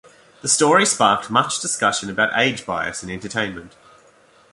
The story sparked much discussion about age bias in entertainment.